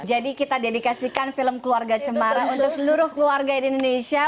jadi kita dedikasikan film keluarga cemara untuk seluruh keluarga di indonesia